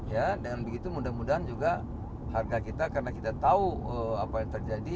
ya dengan begitu mudah mudahan juga harga kita karena kita tahu apa yang terjadi